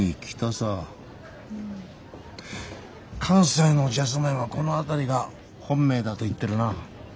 関西のジャズメンはこの辺りが本命だと言ってるな。